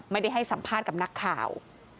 ไม่ได้ให้สัมภาษณ์กับนักข่าว